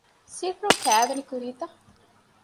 ސިއްރުން ކައިވެނި ކުރީތަ؟